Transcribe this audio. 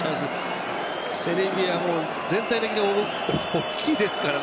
セルビアも全体的に大きいですから。